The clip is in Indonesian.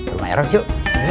rumah eros yuk